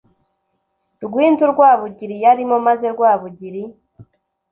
rwinzu Rwabugili yarimo maze Rwabugili